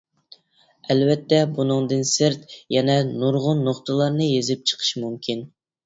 ئەلۋەتتە، بۇنىڭدىن سىرت يەنە نۇرغۇن نۇقتىلارنى يېزىپ چىقىش مۇمكىن.